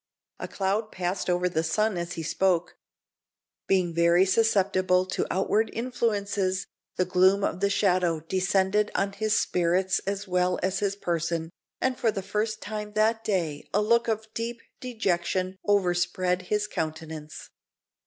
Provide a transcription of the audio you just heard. A cloud passed over the sun as he spoke. Being very susceptible to outward influences, the gloom of the shadow descended on his spirits as well as his person, and for the first time that day a look of deep dejection overspread his countenance.